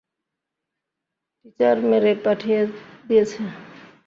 Teacher মেরে পাঠিয়ে দিয়েছে।